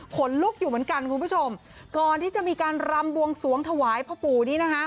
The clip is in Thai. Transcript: ขนลุกอยู่เหมือนกันคุณผู้ชมก่อนที่จะมีการรำบวงสวงถวายพ่อปู่นี้นะคะ